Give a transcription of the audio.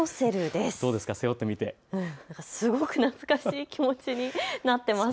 すごく懐かしい気持ちになっています。